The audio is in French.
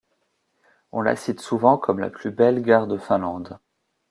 On la cite souvent comme la plus belle gare de Finlande.